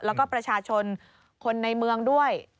แล้วก็ประชาชนคนในเมืองด้วย